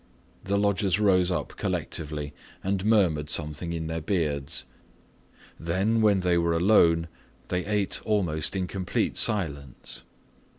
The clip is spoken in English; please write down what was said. The lodgers rose up collectively and murmured something in their beards. Then, when they were alone, they ate almost in complete silence.